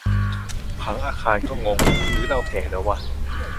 ผังอาคารก็งง หรือเราแก่แล้ววะ